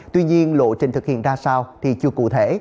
tuy nhiên lộ trình thực hiện ra sao thì chưa cụ thể